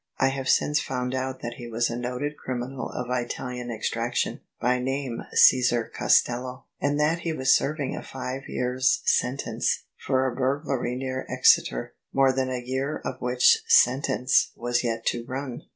I have since found out that he was a noted criminal of Italian extraction, by name Caesar Costello: and that he was serving a five years' sen tence for a burglary near Exeter, more than a year of which sentence was yet to run."